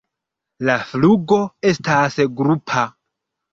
La flugo estas grupa.